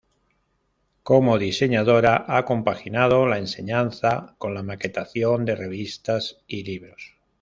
Como diseñadora ha compaginado la enseñanza, con la maquetación de revistas y libros.